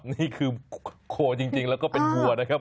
นี่คือโคจริงแล้วก็เป็นวัวนะครับ